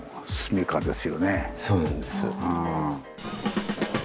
そうなんです。